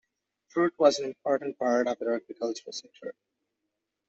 Fruit was an important part of the agricultural sector.